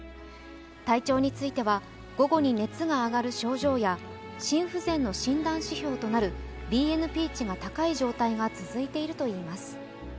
体調については午後に熱が上がる症状や心不全の診断指標となるＢＮＰ値が高い状態が続いているといいます。